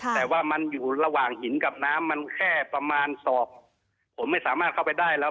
แต่ว่ามันอยู่ระหว่างหินกับน้ำมันแค่ประมาณศอกผมไม่สามารถเข้าไปได้แล้ว